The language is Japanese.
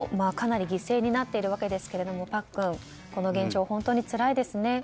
民間人もかなり犠牲になっているわけですがパックン、この現状本当につらいですね。